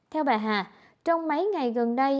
theo bà hà trong mấy ngày gần đây